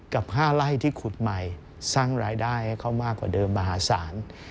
กับ๕ไร่ที่ขุดใหม่สร้างรายได้ให้เขามากกว่าเดิมมหาศาล